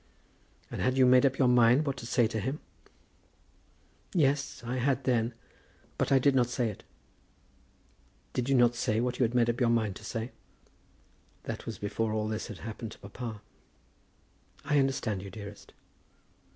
"And had you made up your mind what to say to him?" "Yes, I had then. But I did not say it." "Did not say what you had made up your mind to say?" "That was before all this had happened to papa." "I understand you, dearest."